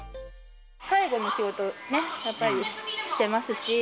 介護の仕事をね、やっぱりしてますし。